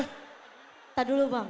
ntar dulu bang